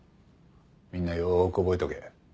みんなよーく覚えとけ。